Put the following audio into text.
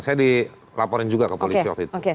saya dilaporin juga ke polisi